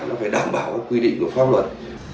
nó phải đảm bảo các quy định của pháp luật